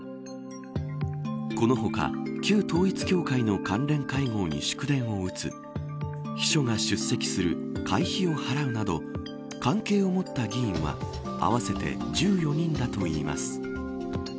この他、旧統一教会の関連会合に祝電を打つ秘書が出席する会費を払うなど関係を持った議員は合わせて１４人だといいます。